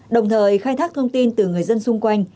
đồng thời khai thác thông tin từ người dân xung quanh